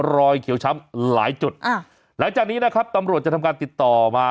รอยเขียวช้ำหลายจุดอ่าหลังจากนี้นะครับตำรวจจะทำการติดต่อมา